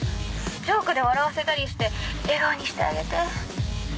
ジョークで笑わせたりして笑顔にしてあげて。